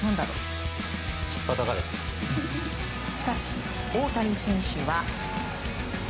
しかし、大谷選手は。